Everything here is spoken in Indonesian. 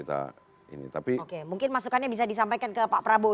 oke mungkin masukannya bisa disampaikan ke pak prabowo